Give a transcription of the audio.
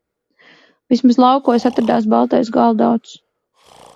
Vismaz laukos atradās baltais galdauts.